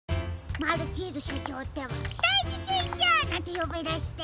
マルチーズしょちょうってば「だいじけんじゃ」なんてよびだして。